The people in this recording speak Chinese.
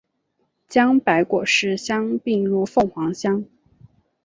将白果市乡并入凤凰乡。